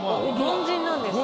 凡人なんです。